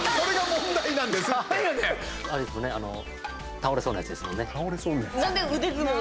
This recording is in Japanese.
倒れそうなやつですもんね。